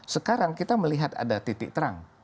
sekarang kita melihat ada titik terang